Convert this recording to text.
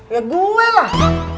ya gue lah